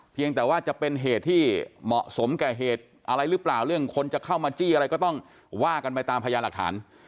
เพียงแต่ว่าจะเป็นเหตุที่เหมาะสมแก่เหตุอะไรหรือเปล่าเรื่องคนจะเข้ามาจี้อะไรก็ต้องว่ากันไปตามพยานหลักฐาน